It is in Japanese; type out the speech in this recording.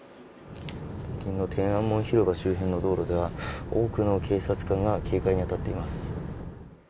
北京の天安門広場周辺の道路では、多くの警察官が警戒に当たっています。